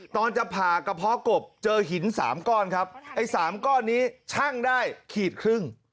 ตอนจะผ่ากระเพาะกบเจอหิน๓ก้อนครับไอ้๓ก้อนนี้ชั่งได้ขีดครึ่ง